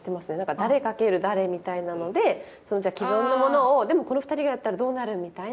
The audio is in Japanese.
誰かける誰みたいなので既存のものをでもこの２人がやったらどうなるみたいな。